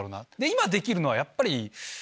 今できるのはやっぱり。